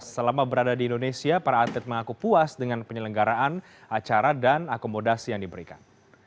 selama berada di indonesia para atlet mengaku puas dengan penyelenggaraan acara dan akomodasi yang diberikan